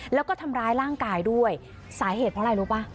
แล้วก็ทำร้ายร่างกายด้วยสาเหตุเพราะอะไรรู้ป่ะ